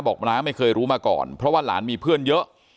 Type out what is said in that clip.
น้าไม่เคยรู้มาก่อนเพราะว่าหลานมีเพื่อนเยอะ